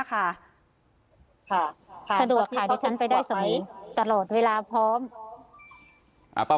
สะดวกค่ะดิฉันไปได้สมียตลอดเวลาพร้อม